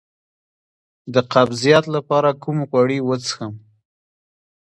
د قبضیت لپاره کوم غوړي وڅښم؟